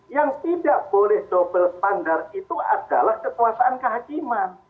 yang tidak boleh double standard itu adalah kekuasaan kehakiman